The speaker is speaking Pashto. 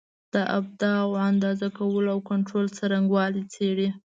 د ابعادو د اندازه کولو او کنټرول څرنګوالي څېړي.